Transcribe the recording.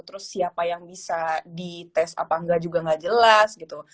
terus siapa yang bisa dites apa enggak juga nggak jelas gitu